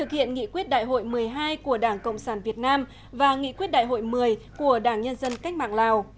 hiện nghị quyết đại hội một mươi hai của đảng cộng sản việt nam và nghị quyết đại hội một mươi của đảng nhân dân cách mạng lào